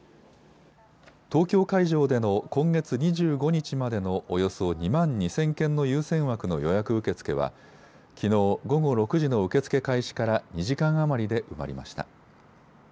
東京会場での今月２５日までのおよそ２万２０００件の優先枠の予約受け付けはきのう午後６時の受け付け開始から２時間余りで埋まりました。